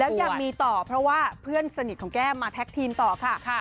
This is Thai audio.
แล้วยังมีต่อเพราะว่าเพื่อนสนิทของแก้มมาแท็กทีมต่อค่ะ